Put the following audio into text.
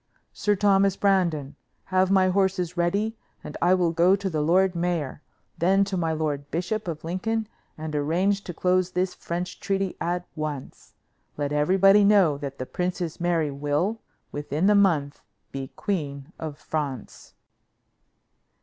Sir Thomas Brandon, have my horses ready, and I will go to the lord mayor, then to my lord bishop of Lincoln and arrange to close this French treaty at once. Let everybody know that the Princess Mary will, within the month, be queen of France."